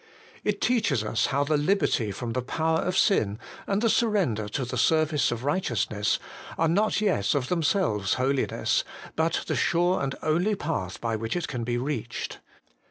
It teaches us how the liberty from the power of sin and the surrender to the service of righteousness are not yet of themselves holiness, but the sure and only path by which it can be reached.